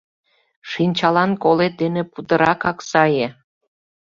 Шинчалан колет дене путыракак сае.